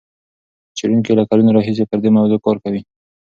څېړونکي له کلونو راهیسې پر دې موضوع کار کوي.